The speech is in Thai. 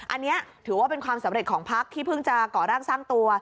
อันนี้ถือว่าเป็นความสำเร็จของพักที่เพิ่งจะก่อร่างสร้างตัว